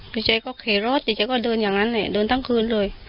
พี่ชัยก็เขรถแต่แกก็เดินอย่างนั้นแหละเดินทั้งคืนเลย